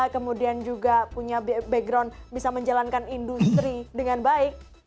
kemudian juga punya background bisa menjalankan industri dengan baik